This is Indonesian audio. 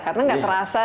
karena gak terasa